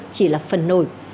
chỉ là phần nổi